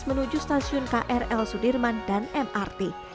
menuju stasiun krl sudirman dan mrt